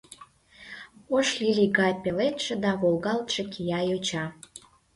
Ош лилий гай пеледше да волгалтше, кия йоча.